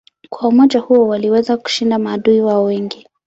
Kwa umoja huo waliweza kushinda maadui wao wengi.